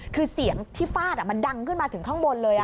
คือเสียงที่ฟาดมันดังขึ้นมาถึงข้างบนเลย